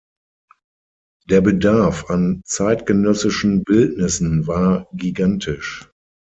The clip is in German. Der Bedarf an zeitgenössischen Bildnissen war gigantisch.